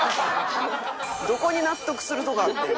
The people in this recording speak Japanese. どこに納得するとこあってん。